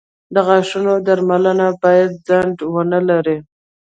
• د غاښونو درملنه باید ځنډ ونه لري.